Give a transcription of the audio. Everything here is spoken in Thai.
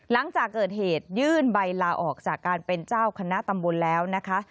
หลังจากเกิดเหตุยื่นใบลาออกจากการเป็นเจ้าคณะตำบลแล้วนะคะ